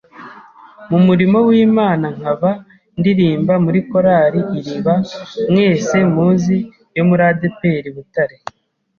Mu murimo w’Imana, nkaba ndirimba muri Chorale IRIBA mwese muzi yo muri ADEPR BUTARE.